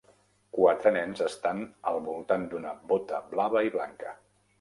Quatre nens s'estan al voltant d'una bóta blava i blanca.